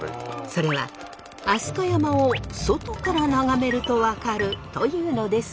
それは飛鳥山を外から眺めると分かるというのですが。